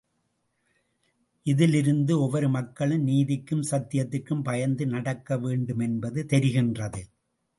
இதிலிருந்து ஒவ்வொரு மக்களும் நீதிக்கும் சத்தியத்திற்கும் பயந்து நடக்க வேண்டுமென்பது தெரிகின்றது.